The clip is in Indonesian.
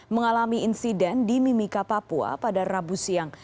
mengalami insiden di mimika papua pada rabu siang